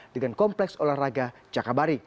dengan kompleks olahraga cakabari